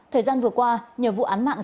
thời gian vừa qua nhiều vụ án mạng